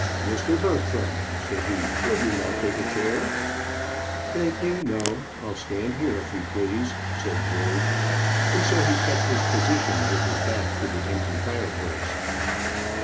"Mr. Bertram," said he, "will you not take a chair?" "Thank you, no; I'll stand here, if you please," said George. And so he kept his position with his back to the empty fireplace.